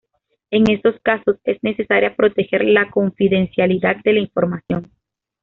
En estos casos es necesaria proteger la confidencialidad de la información.